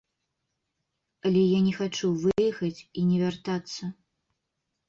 Але я не хачу выехаць і не вяртацца.